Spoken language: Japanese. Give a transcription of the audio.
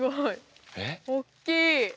おっきい。